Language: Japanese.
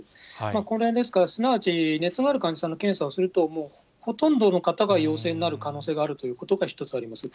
これですから、すなわち熱のある患者さんの検査をすると、もうほとんどの方が陽性になる可能性が１つあります。